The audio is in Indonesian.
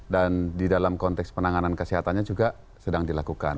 di dalam konteks penanganan kesehatannya juga sedang dilakukan